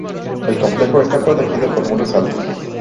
El complejo está protegido por muros altos.